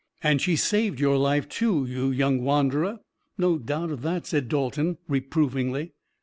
"And she saved your life, too, you young wanderer. No doubt of that," said Dalton reprovingly.